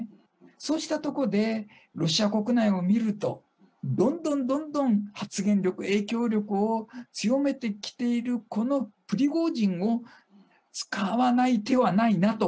そうしたところで、ロシア国内を見ると、どんどんどんどん発言力、影響力を強めてきているこのプリゴジンを使わない手はないなと。